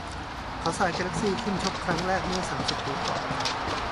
เขาทราย แกแล็คซี่ ขึ้นชกครั้งแรกเมื่อสามสิบปีก่อน